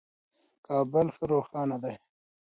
کابل ښه روښانه دی.